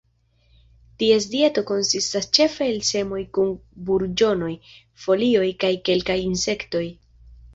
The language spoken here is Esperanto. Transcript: Ties dieto konsistas ĉefe el semoj kun burĝonoj, folioj kaj kelkaj insektoj.